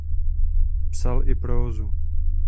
Psal i prózu.